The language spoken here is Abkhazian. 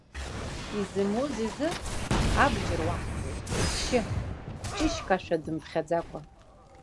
Изымуз изы абџьар уаҳҭоит, дшьы, кәҷышьк ашәа дымԥхьаӡакәа.